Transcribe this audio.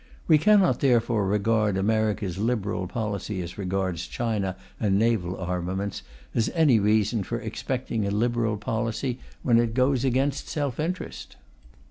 We cannot therefore regard America's liberal policy as regards China and naval armaments as any reason for expecting a liberal policy when it goes against self interest.